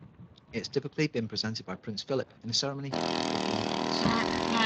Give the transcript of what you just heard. It has typically been presented by Prince Philip in a ceremony at Buckingham Palace.